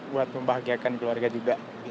buat membahagiakan keluarga juga